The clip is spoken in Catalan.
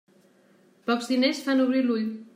Pocs diners fan obrir l'ull.